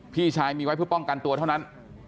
พี่ชายมีไว้เพื่อป้องกันตัวเท่านั้น